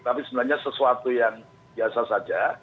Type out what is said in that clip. tapi sebenarnya sesuatu yang biasa saja